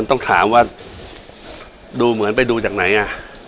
ต้องถามว่าดูเหมือนไปดูจากไหนอ่ะ